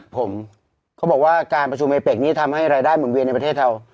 ผมเขาบอกว่าการประชุมเอเป็กนี้ทำให้รายได้หมุนเวียนในประเทศเรา